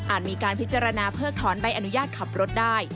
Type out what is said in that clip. มีการพิจารณาเพิกถอนใบอนุญาตขับรถได้